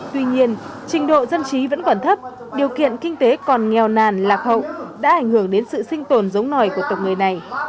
tuy nhiên trình độ dân trí vẫn còn thấp điều kiện kinh tế còn nghèo nàn lạc hậu đã ảnh hưởng đến sự sinh tồn giống nòi của tộc người này